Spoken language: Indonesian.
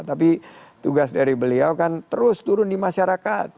tapi tugas dari beliau kan terus turun di masyarakat